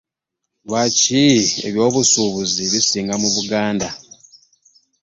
Lwaki eby'obusubuzi bisinga mu Buganda?